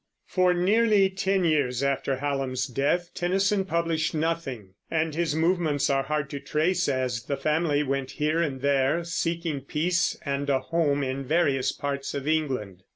For nearly ten years after Hallam's death Tennyson published nothing, and his movements are hard to trace as the family went here and there, seeking peace and a home in various parts of England.